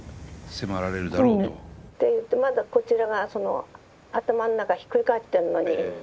迫られるだろうと。って言ってまだこちらがその頭の中ひっくり返ってるのに。